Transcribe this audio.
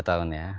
dua tahun ya